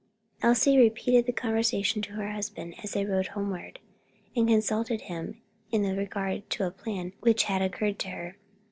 Elsie repeated the conversation to her husband as they rode homeward, and consulted him in regard to a plan which had occurred to her.